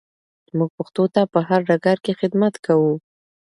موږ پښتو ته په هر ډګر کې خدمت کوو.